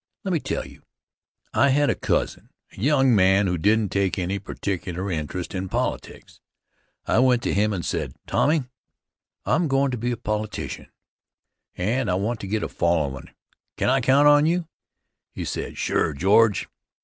Let me tell you: I had a cousin, a young man who didn't take any particular interest in politics. I went to him and said: "Tommy, I'm goin' to be a politician, and I want to get a followin'; can I count on you?" He said: "Sure, George".